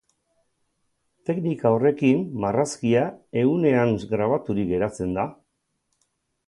Teknika horrekin, marrazkia ehunean grabaturik geratzen da.